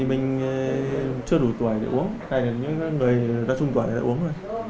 mình thì mình chưa đủ tuổi để uống tại là những người đa trung tuổi đã uống rồi